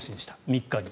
３日に。